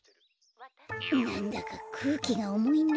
なんだかくうきがおもいな。